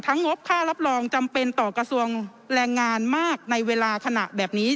งบค่ารับรองจำเป็นต่อกระทรวงแรงงานมากในเวลาขณะแบบนี้